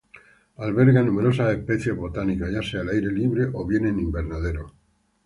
Alberga numerosas especies botánicas ya sea al aire libre, o bien en invernaderos.